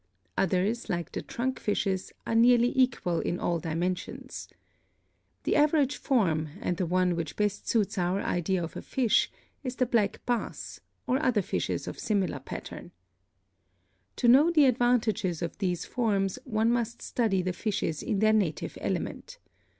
Others, like the Trunk Fishes, are nearly equal in all dimensions. The average form and the one which best suits our idea of a fish, is the Black Bass, or other fishes of similar pattern. To know the advantages of these forms one must study the fishes in their native element.